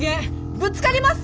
ぶつかります！